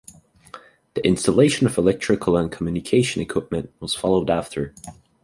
The installation of electrical and communication equipment was followed after.